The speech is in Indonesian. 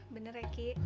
bener ya ki